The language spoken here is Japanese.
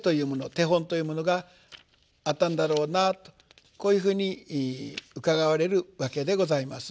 手本というものがあったんだろうなとこういうふうにうかがわれるわけでございます。